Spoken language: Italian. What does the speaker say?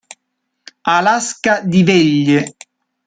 Alaska di Veglie.